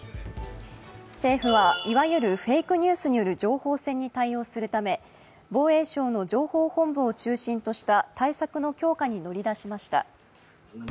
政府はいわゆるフェイクニュースによる情報戦に対応するため防衛省の情報本部を中心とした対策の強化に乗り出しました。